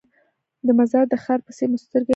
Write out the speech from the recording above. د مزار د ښار پسې مو سترګې اچولې.